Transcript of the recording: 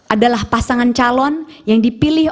adalah pasangan calon yang dipilih